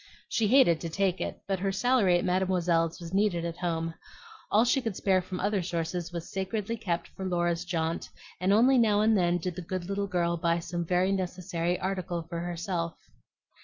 She hated to take it, but her salary at Mademoiselle's was needed at home; all she could spare from other sources was sacredly kept for Laura's jaunt, and only now and then did the good little girl buy some very necessary article for herself.